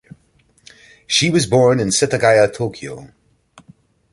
She was born in Setagaya, Tokyo.